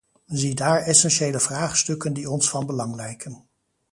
Ziedaar essentiële vraagstukken die ons van belang lijken.